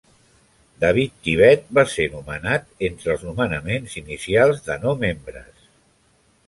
David Tibet va ser nomenat entre els nomenaments inicials de no membres.